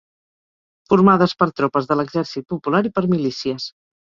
Formades per tropes de l'Exèrcit Popular i per milícies